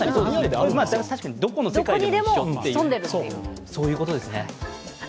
確かに、どこの世界でも一緒ということですね。